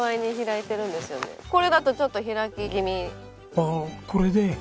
あっこれで。